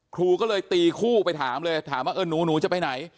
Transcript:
ครูก็เลยตีคู่ไปถามเลยถามว่าเออหนูจะไปไหน